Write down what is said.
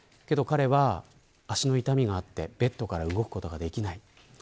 けど彼は足の痛みがあってベッドから動くことができない。